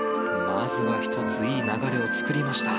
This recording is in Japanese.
まずは１ついい流れを作りました。